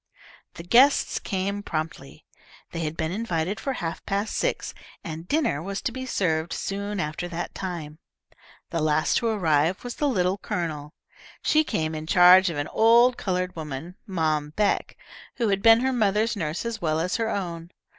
The guests came promptly. They had been invited for half past six, and dinner was to be served soon after that time. The last to arrive was the Little Colonel. She came in charge of an old coloured woman, Mom Beck, who had been her mother's nurse as well as her own.